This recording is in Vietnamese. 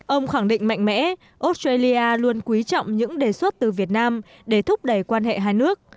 ông khẳng định mạnh mẽ australia luôn quý trọng những đề xuất từ việt nam để thúc đẩy quan hệ hai nước